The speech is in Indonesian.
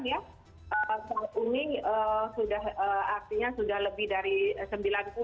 saat ini artinya sudah lebih dari sembilan puluh produk yang masih